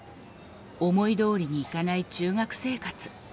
思いどおりにいかない中学生活。